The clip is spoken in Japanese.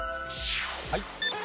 はい。